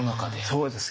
そうです。